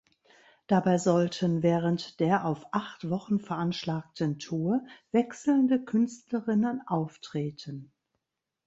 Dabei sollten während der auf acht Wochen veranschlagten Tour wechselnde Künstlerinnen auftreten.